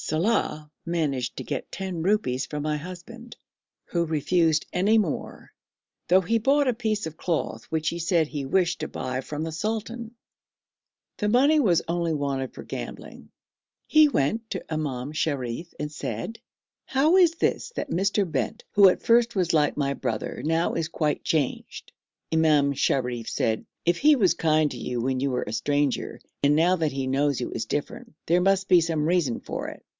Saleh managed to get ten rupees from my husband, who refused any more, though he brought a piece of cloth which he said he wished to buy from the sultan. The money was only wanted for gambling. He went to Imam Sharif and said, 'How is this that Mr. Bent, who at first was like my brother, now is quite changed?' Imam Sharif said, 'If he was kind to you when you were a stranger, and now that he knows you is different, there must be some reason for it.'